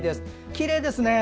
きれいですね。